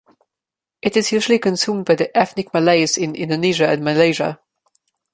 It is usually consumed by the ethnic Malays in Indonesia and Malaysia.